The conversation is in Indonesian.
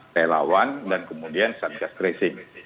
pelawan dan kemudian sanjad kresik